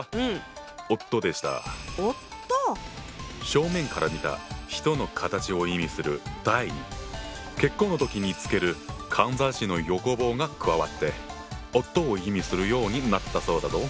正面から見た人の形を意味する「大」に結婚の時につけるかんざしの横棒が加わって「夫」を意味するようになったそうだぞ。